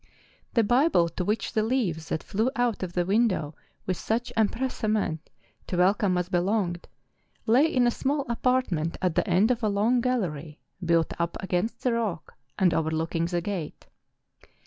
The Bible to which the leaves that flew out of the win¬ dow with such empressement to welcome us be¬ longed, lay in a small apartment at the end of a long gallery built up against the rock, and over¬ looking the gate.